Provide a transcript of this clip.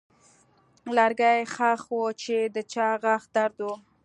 لرګی ښخ و چې د چا غاښ درد و.